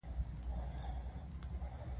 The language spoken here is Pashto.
پوه شوم چې دا زمونږ لپاره دي.